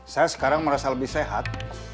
saya sekarang merasa lebih sehat